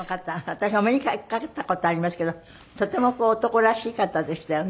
私お目にかかった事ありますけどとてもこう男らしい方でしたよね。